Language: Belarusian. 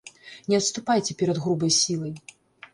Не адступайце перад грубай сілай.